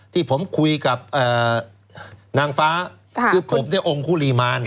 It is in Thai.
ที่ผมคุยกับนางฟ้าคือผมองค์คุรีมาร